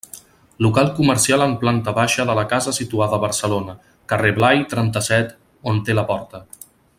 Local comercial en planta baixa de la casa situada a Barcelona, carrer Blai trenta-set, on té la porta.